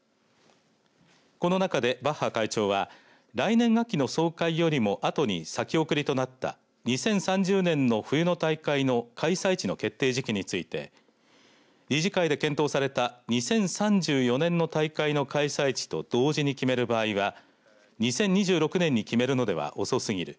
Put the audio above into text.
この中でバッハ会長は来年秋の総会よりもあとに先送りとなった２０３０年の冬の大会の開催地の決定時期について理事会で検討された２０３４年の大会の開催地と同時に決める場合は２０２６年に決めるのでは遅すぎる。